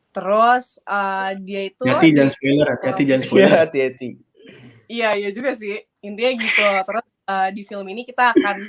terus dia itu jadi jenis pilih hati hati iya juga sih intinya gitu di film ini kita akan